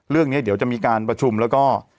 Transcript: เรื่องนี้เดี๋ยวจะมีการประชุมแล้วก็